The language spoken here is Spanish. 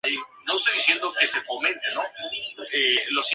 Las tácticas varían mucho dependiendo del mapa.